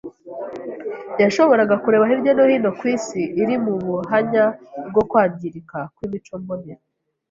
Yashoboraga kureba hirya no hino ku isi iri mu buhanya bwo kwangirika kw’imico mbonera